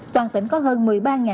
toàn tỉnh có hơn